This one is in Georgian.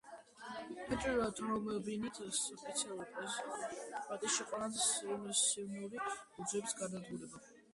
საჭიროა თრომბინით სპეციფიური პრეპარატის შეყვანა და სიმსივნური უჯრედის განადგურება.